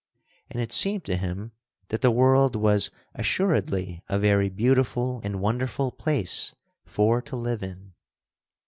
And it seemed to him that the world was assuredly a very beautiful and wonderful place for to live in.